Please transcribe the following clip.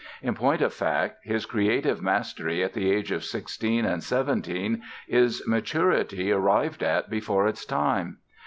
In point of fact, his creative mastery at the age of sixteen and seventeen is maturity arrived at before its time.